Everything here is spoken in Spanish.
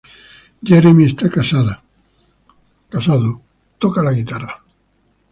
Jeremy está casado, toca la guitarra.